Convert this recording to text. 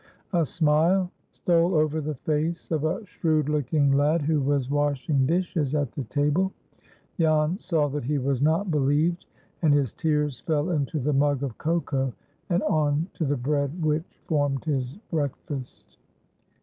A smile stole over the face of a shrewd looking lad who was washing dishes at the table. Jan saw that he was not believed, and his tears fell into the mug of cocoa, and on to the bread which formed his breakfast.